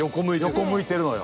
横向いてるのよ。